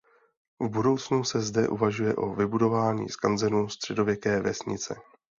V budoucnu se zde uvažuje o vybudování skanzenu středověké vesnice.